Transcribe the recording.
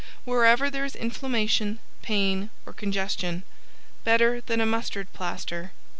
Wherever there is inflammation, pain or congestion. Better than a Mustard plaster.